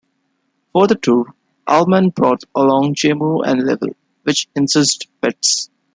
For the tour, Allman brought along Jaimoe and Leavell, which incensed Betts.